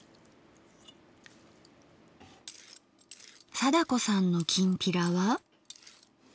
貞子さんのきんぴらは？